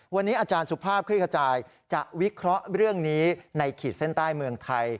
วันนี้อาจารย์สุภาพคลิกขจายจะวิเคราะห์เรื่องนี้ในขีดเส้นใต้เมืองไทย